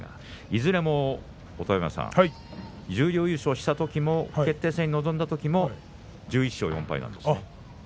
いずれも十両優勝した時も決定戦に臨んだ時も１１勝４敗でした。